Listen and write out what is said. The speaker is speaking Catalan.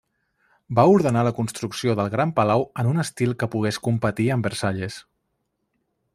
Va ordenar la construcció del gran palau en un estil que pogués competir amb Versalles.